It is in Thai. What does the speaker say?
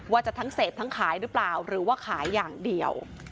ว่าจะทั้งเสพทั้งขายหรือเปล่าหรือว่าขายอย่างเดียว